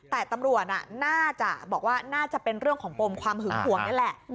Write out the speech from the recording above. แต่ตำรวจน่าจะบอกว่าน่าจะเป็นเรื่องของปมความหึงห่วงนี่แหละ